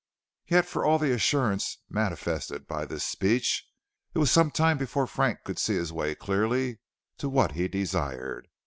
Yet for all the assurance manifested by this speech, it was some time before Frank could see his way clearly to what he desired.